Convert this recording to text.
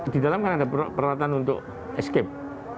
di dalam kan ada peralatan untuk escape